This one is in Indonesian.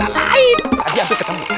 tadi hampir ketemu kan